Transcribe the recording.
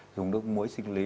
dùng nước muối sinh lý